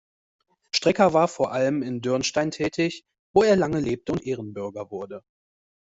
Strecker war vor allem in Dürnstein tätig, wo er lange lebte und Ehrenbürger wurde.